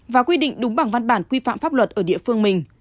và quy định đúng bằng văn bản quy phạm pháp luật ở địa phương mình